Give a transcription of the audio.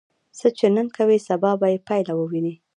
څه چې نن کوې، سبا به یې پایله ووینې.